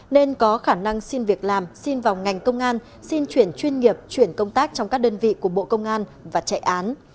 nên có khả năng xin việc làm xin vào ngành công an xin chuyển chuyên nghiệp chuyển công tác trong các đơn vị của bộ công an và chạy án